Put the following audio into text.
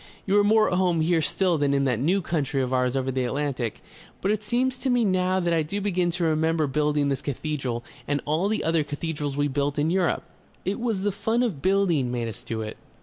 "You are more at home here still than in that new country of ours over the Atlantic. But it seems to me now that I do begin to remember building this cathedral and all the other cathedrals we built in Europe.... It was the fun of building made us do it..."